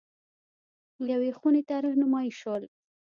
یوې خونې ته رهنمايي شول.